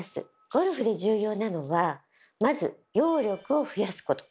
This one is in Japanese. ゴルフで重要なのはまず揚力を増やすこと。